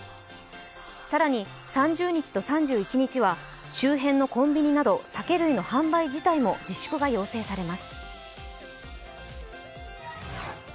更に３０日と３１日は周辺のコンビニなど酒類の販売自体も自粛が要請されます。